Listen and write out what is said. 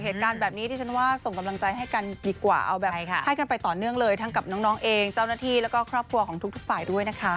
เหตุการณ์แบบนี้ที่ฉันว่าส่งกำลังใจให้กันดีกว่าเอาแบบให้กันไปต่อเนื่องเลยทั้งกับน้องเองเจ้าหน้าที่แล้วก็ครอบครัวของทุกฝ่ายด้วยนะคะ